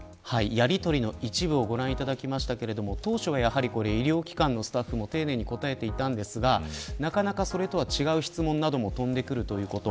やりとりの一部をご覧いただきましたけど当初は医療機関のスタッフも丁寧に答えていたんですがなかなかそれとは違う質問なども飛んでくるということ。